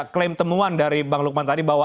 klaim temuan dari bang lukman tadi bahwa